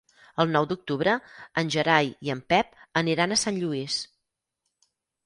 El nou d'octubre en Gerai i en Pep aniran a Sant Lluís.